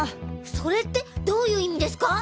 それってどういう意味ですか？